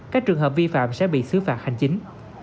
các trường hợp vi phạm sẽ bị xứ phạt hành chính